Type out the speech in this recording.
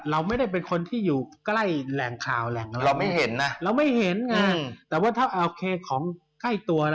เราไม่ได้เป็นคนที่อยู่ใกล้แหล่งข่าว